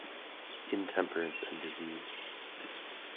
Intemperance and disease.